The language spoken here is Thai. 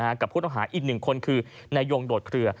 กับผู้ต้องหาอีกหนึ่งคนคือนายยงโดดเคลือ